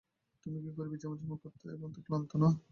তুমি কি গরিবি জীবনযাপন করতে করতে ক্লান্ত না?